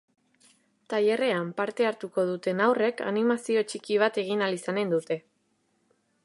Tailerrean parte hartuko duten haurrek animazio txiki bat egin ahal izanen dute.